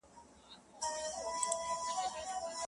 په زرګونو یې تر خاورو کړله لاندي-